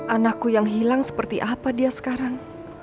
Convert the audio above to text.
anakku yang hilang seperti apa dia sekarang